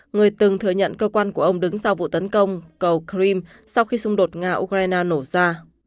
người từng thừa nhận cơ quan của ông đứng sau vụ tấn công cầu kriam sau khi xung đột nga ukraine nổ ra